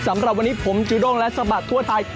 สำหรับวันนี้ผมจูด้งและสะบัดทั่วไทย